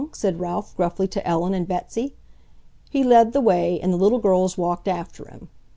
said Ralph gruffly to Ellen and Betsy. He led the way and the little girls walked after him.